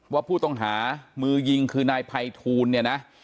ว่าผู้ต้องหามือยิงคือนายภัยทูลเนี่ยนะ